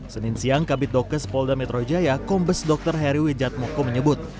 senin siang kabit dokes polda metro jaya kombes dr heri wijatmoko menyebut